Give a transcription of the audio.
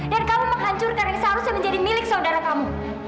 dan kamu menghancurkan yang seharusnya menjadi milik saudara kamu